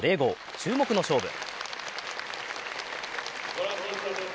注目の勝負。